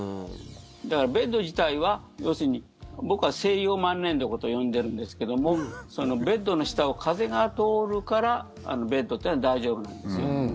だからベッド自体は要するに僕は西洋万年床と呼んでるんですけどもベッドの下を風が通るからベッドってのは大丈夫なんです。